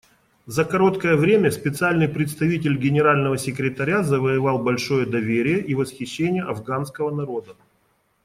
За короткое время Специальный представитель Генерального секретаря завоевал большое доверие и восхищение афганского народа.